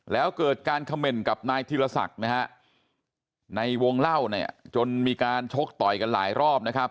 แล้วเกิดการเขม่นกับนายธีรศักดิ์นะฮะในวงเล่าเนี่ยจนมีการชกต่อยกันหลายรอบนะครับ